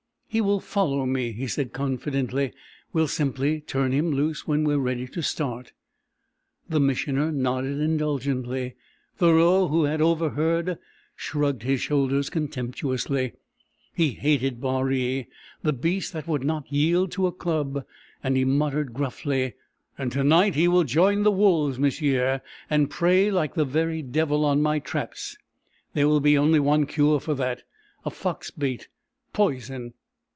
"He will follow me," he said confidently. "We'll simply turn him loose when we're ready to start." The Missioner nodded indulgently. Thoreau, who had overheard, shrugged his shoulders contemptuously. He hated Baree, the beast that would not yield to a club, and he muttered gruffly: "And to night he will join the wolves, m'sieu, and prey like the very devil on my traps. There will be only one cure for that a fox bait! poison!"